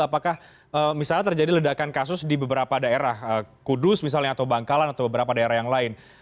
apakah misalnya terjadi ledakan kasus di beberapa daerah kudus misalnya atau bangkalan atau beberapa daerah yang lain